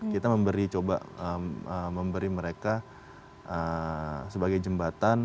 kita memberi coba memberi mereka sebagai jembatan